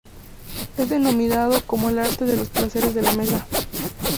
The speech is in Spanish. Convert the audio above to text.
Es denominado como el arte de los placeres de la mesa.